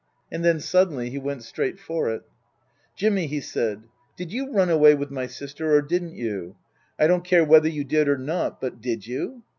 And then, suddenly, he went straight for it. " Jimmy," he said, " did you run away with my sister, or didn't you ? I don't care whether you did or not, but did you